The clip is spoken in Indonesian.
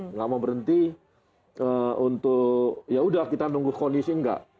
nggak mau berhenti untuk ya udah kita tunggu kondisi nggak